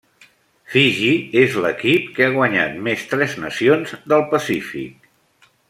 Fiji és l'equip que ha guanyat més Tres Nacions del Pacífic.